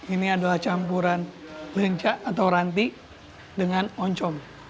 ini adalah campuran lenca atau ranti dengan oncom